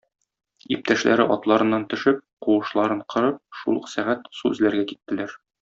Иптәшләре, атларыннан төшеп, куышларын корып, шул ук сәгать су эзләргә киттеләр.